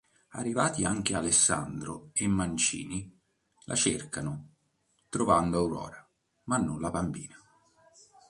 Arrivati anche Alessandro e Mancini, la cercano trovando Aurora ma non la bambina.